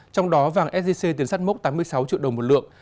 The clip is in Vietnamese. trong đó vàng sgc tiến sắt mốc tám mươi sáu triệu đồng một lượng